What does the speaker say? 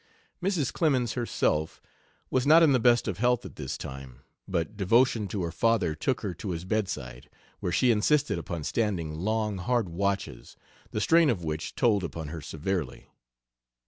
Mrs. Clemens, herself, was not in the best of health at this time, but devotion to her father took her to his bedside, where she insisted upon standing long, hard watches, the strain of which told upon her severely.